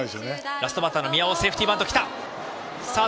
ラストバッター宮尾セーフティーバント。